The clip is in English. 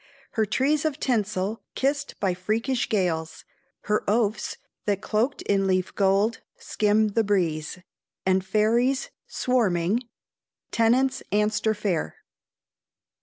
"Her trees of tinsel kissed by freakish gales, "Her Ouphs that, cloaked in leaf gold, skim the breeze, "And fairies, swarming " TENNANT'S ANSTER FAIR.